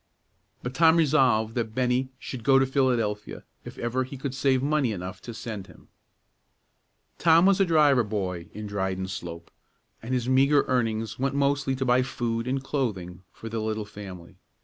But Tom resolved that Bennie should go to Philadelphia, if ever he could save money enough to send him. Tom was a driver boy in Dryden Slope, and his meagre earnings went mostly to buy food and clothing for the little family.